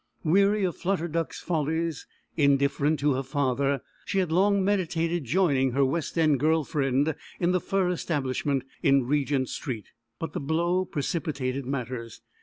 Weary of Flutter Duck's follies, indifferent to her father, she had long meditated joining her West end girl friend in the fur establishment in Regent Street, but the blow precipitated matters.